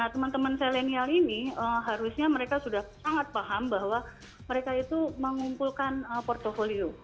teman teman selenial ini harusnya mereka sudah sangat paham bahwa mereka itu mengumpulkan portfolio